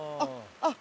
あっ！